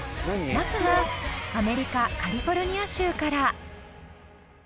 まずはアメリカカリフォルニア州から。